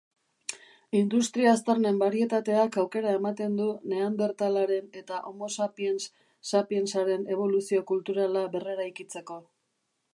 Industria-aztarnen barietateak aukera ematen du Neandertalaren eta Homo sapiens sapiensaren eboluzio kulturala berreraikitzeko.